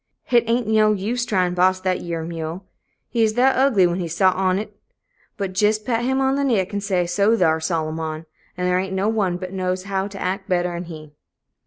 Hit ain't no use try'n' boss that yere mule, he's thet ugly when he's sot on 't but jist pat him on th' naick and say, 'So thar, Solomon!' and thar ain't no one knows how to act better 'n he."